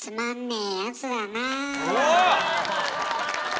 えすごい！